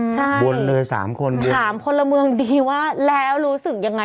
ใช่บนเลยสามคนถามพลเมืองดีว่าแล้วรู้สึกยังไง